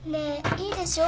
いいでしょ？